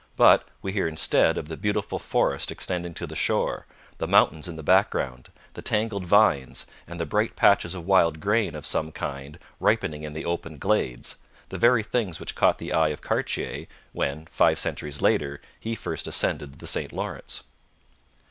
But we hear instead of the beautiful forest extending to the shore, the mountains in the background, the tangled vines, and the bright patches of wild grain of some kind ripening in the open glades the very things which caught the eye of Cartier when, five centuries later, he first ascended the St Lawrence.